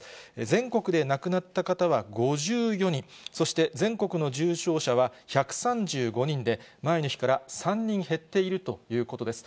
全国で亡くなった方は５４人、そして全国の重症者は１３５人で、前の日から３人減っているということです。